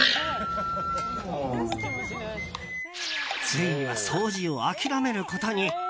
ついには掃除を諦めることに。